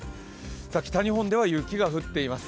北日本では雪が降っています。